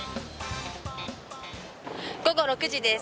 午後６時です。